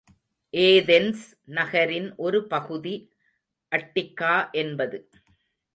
Athens நகரின் ஒரு பகுதி அட்டிக்கா என்பது.